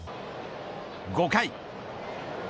５回。